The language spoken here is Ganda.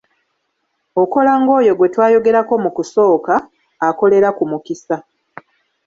Okola ng'oyo gwe twayogerako mu kusooka, akolera ku mukisa.